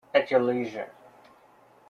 At your leisure.